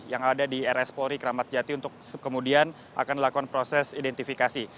yang ada di rs polri kramat jati untuk kemudian akan dilakukan proses identifikasi